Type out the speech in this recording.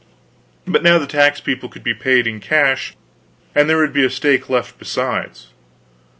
But now the tax people could be paid in cash, and there would be a stake left besides.